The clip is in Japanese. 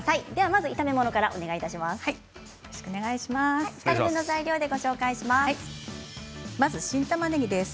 まずは炒め物からお願いします。